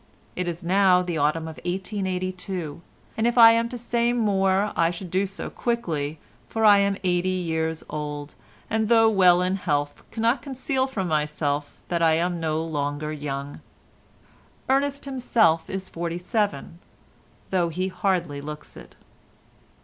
It is now the autumn of 1882, and if I am to say more I should do so quickly, for I am eighty years old and though well in health cannot conceal from myself that I am no longer young. Ernest himself is forty seven, though he hardly looks it.